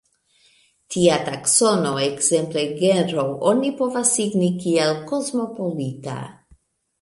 Tia taksono, ekzemple genro, oni povas signi kiel kosmopolita.